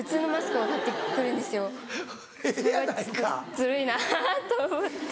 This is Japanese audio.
ズルいなと思って。